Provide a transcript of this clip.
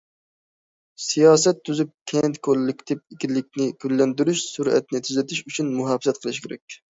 سىياسەت تۈزۈپ، كەنت كوللېكتىپ ئىگىلىكىنى گۈللەندۈرۈش، سۈرئەتنى تېزلىتىش ئۈچۈن مۇھاپىزەت قىلىش كېرەك.